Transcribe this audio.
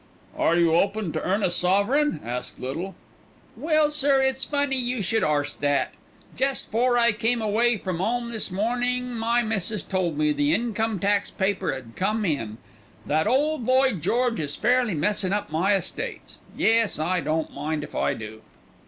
"Are you open to earn a sovereign?" asked Little. "Well, sir, it's funny you should arst that. Jest 'fore I came away from 'ome this morning my missus told me the Income Tax paper 'ad come in. That ole Lloyd George is fairly messin' up my estates. Yes, I don't mind if I do."